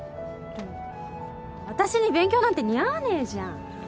でも私に勉強なんて似合わねえじゃん